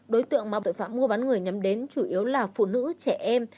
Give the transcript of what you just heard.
đối tượng mà tội phạm mua bán người nhắm đến chủ yếu là phụ nữ trẻ em